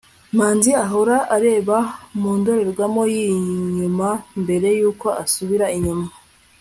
manzi ahora areba mu ndorerwamo yinyuma mbere yuko asubira inyuma